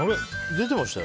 出てましたよ。